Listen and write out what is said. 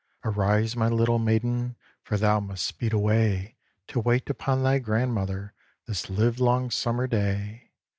"Arise! my little maiden, For thou must speed away, To wait upon thy grandmother This live long Summer Day.